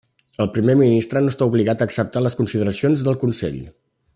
El Primer Ministre no està obligat a acceptar les consideracions del consell.